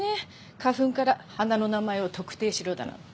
花粉から花の名前を特定しろだなんて。